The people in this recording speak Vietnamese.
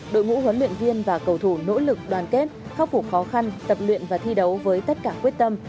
đội ngũ huấn luyện viên và cầu thủ nỗ lực đoàn kết khắc phục khó khăn tập luyện và thi đấu với tất cả quyết tâm